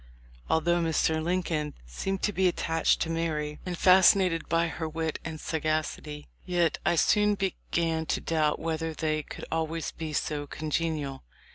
Although Mr. Lincoln seemed to be attached to Mary, and fascinated by her wit and sagacity, yet I soon began to doubt whether they could always be so congenial.